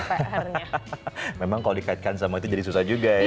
hahaha memang kalau dikaitkan sama itu jadi susah juga ya